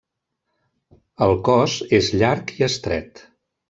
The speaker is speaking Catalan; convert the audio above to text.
El cos és llarg i estret.